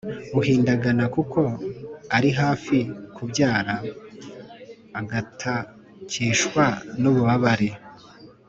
uhindagana kuko ari hafi kubyara, agatakishwa n’ububabare.